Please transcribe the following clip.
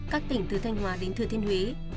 các tỉnh từ thanh hóa đến thừa thiên huế